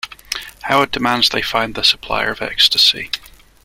Howard demands they find the supplier of ecstasy.